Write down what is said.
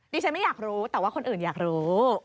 ฉันไม่อยากรู้แต่ว่าคนอื่นอยากรู้